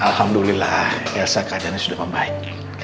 alhamdulillah elsa keadaannya sudah membaik